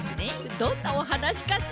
どんなおはなしかしら？